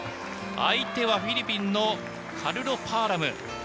相手はフィリピンのカルロ・パアラム。